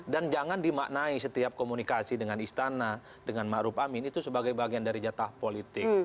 dan jangan dimaknai setiap komunikasi dengan istana dengan ma'ruf amin itu sebagai bagian dari jatah politik